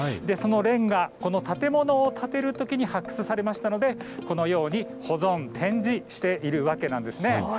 そのレンガ、この建物を建てるときに発掘されましたのでこのように保存、展示しているわけなんです。